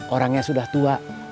orangnya sudah tua